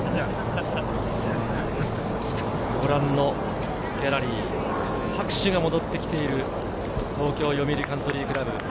ご覧のギャラリー、拍手が戻ってきている東京よみうりカントリークラブ。